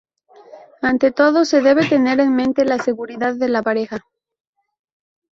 Ante todo, se debe tener en mente la seguridad de la pareja.